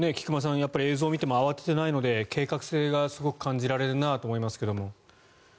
やっぱり映像を見ても慌てていないので計画性がすごく感じられるなと思いますけど。